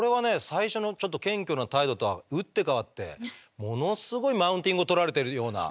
最初のちょっと謙虚な態度とは打って変わってものすごいマウンティングをとられてるような。